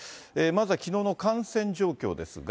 まずはきのうの感染状況ですが。